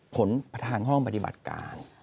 ผลพัฒนห้องบริบัติการ